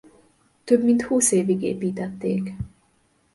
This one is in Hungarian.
Több mint húsz évig építették.